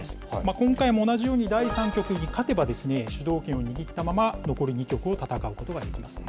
今回も同じように第３局に勝てば、主導権を握ったまま、残る２局を戦うことができます。